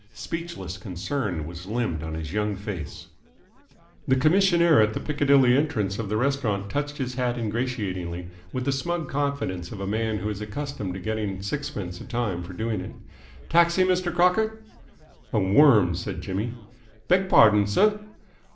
Speechless concern was limned on his young face. The commissionaire at the Piccadilly entrance of the restaurant touched his hat ingratiatingly, with the smug confidence of a man who is accustomed to getting sixpence a time for doing it. "Taxi, Mr. Crocker?" "A worm," said Jimmy. "Beg pardon, sir?"